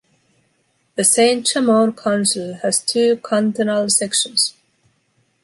The Saint-Chamond council has two cantonal sections.